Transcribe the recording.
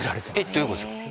どういうことですか？